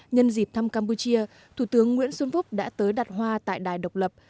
nhân dịp thăm campuchia thủ tướng nguyễn xuân phúc đã tới đặt hoa tại đài độc lập